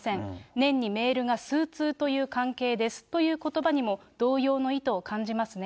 年にメールが数通という関係ですということばにも、同様の意図を感じますね。